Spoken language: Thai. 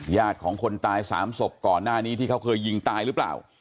ของคนตาย๓ศพก่อนหน้านี้ที่เขาเคยยิงตายหรือเปล่า